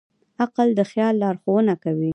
عقل د خیال لارښوونه کوي.